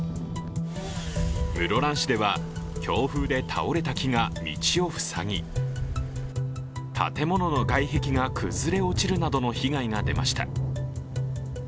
室蘭市では強風で倒れた木が道を塞ぎ建物の外壁が崩れ落ちるなどの被害が出ました